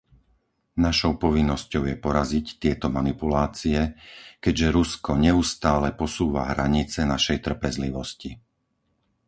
Našou povinnosťou je poraziť tieto manipulácie, keďže Rusko neustále posúva hranice našej trpezlivosti.